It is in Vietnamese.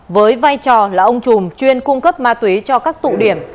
với vai trò là ông chùm chuyên cung cấp ma túy cho các tụ điểm